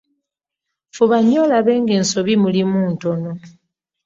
Fuba nnyo olabe nga ensobi mulimu ntono.